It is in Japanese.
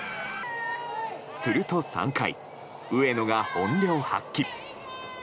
すると３回、上野が本領発揮！